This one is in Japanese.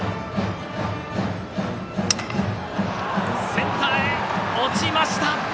センターへ、落ちました！